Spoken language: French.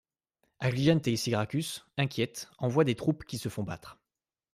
Agrigente et Syracuse, inquiètes, envoient des troupes qui se font battre.